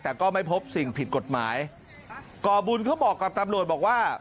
แต่ก็ไม่พบสิ่งผิดกฎหมายก่อบุญเขาบอกกับตำรวจบอกว่า